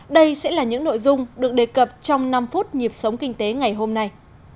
đây sẽ là những nội dung được đề cập trong năm phút nhịp sống kinh tế ngày hôm nay